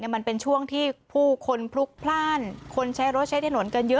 มันเป็นช่วงที่ผู้คนพลุกพลาดคนใช้รถใช้ถนนกันเยอะ